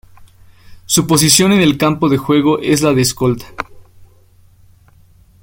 Su posición en el campo de juego es la de escolta.